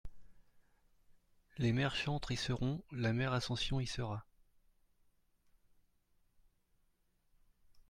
Les mères chantres y seront, la mère Ascension y sera.